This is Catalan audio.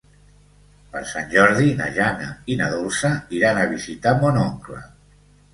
Per Sant Jordi na Jana i na Dolça iran a visitar mon oncle.